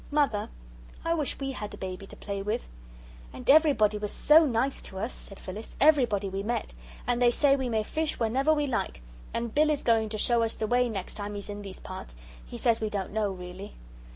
Mother, I wish we had a baby to play with." "And everybody was so nice to us," said Phyllis, "everybody we met. And they say we may fish whenever we like. And Bill is going to show us the way next time he's in these parts. He says we don't know really."